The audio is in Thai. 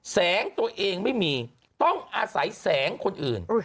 แสงตัวเองไม่มีต้องอาศัยแสงคนอื่น